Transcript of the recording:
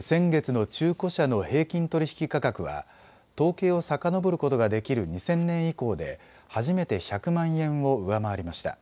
先月の中古車の平均取引価格は統計をさかのぼることができる２０００年以降で初めて１００万円を上回りました。